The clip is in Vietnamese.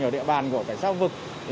ở địa bàn của cảnh sát vực